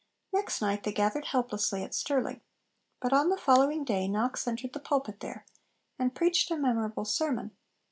Next night they gathered helplessly at Stirling. But on the following day Knox entered the pulpit there, and preached a memorable sermon.